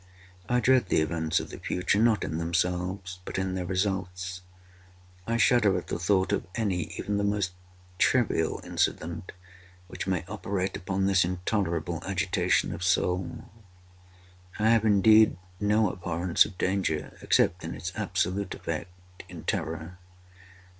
I dread the events of the future, not in themselves, but in their results. I shudder at the thought of any, even the most trivial, incident, which may operate upon this intolerable agitation of soul. I have, indeed, no abhorrence of danger, except in its absolute effect—in terror.